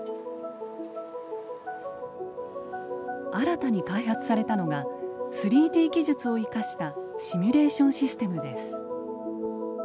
新たに開発されたのが３Ｄ技術を生かしたシミュレーションシステムです。